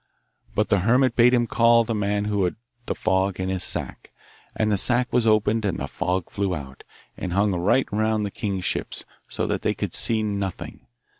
But the hermit bade him call the man who had the fog in his sack, and the sack was opened and the fog flew out, and hung right round the king's ships, so that they could see nothing.